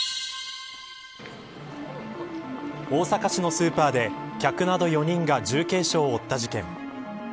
大阪市のスーパーで客など４人が重軽傷を負った事件。